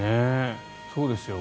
そうですよ。